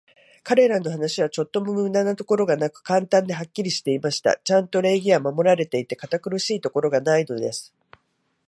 彼等の話は、ちょっとも無駄なところがなく、簡単で、はっきりしていました。ちゃんと礼儀は守られていて、堅苦しいところがないのです。